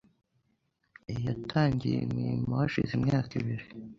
Yatangiye imirimo hashize imyaka ibiri .